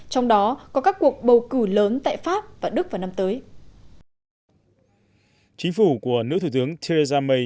trong đó có các cuộc bầu cử lớn tại pháp và đức vào năm tới chính phủ của nữ thủ tướng theresa may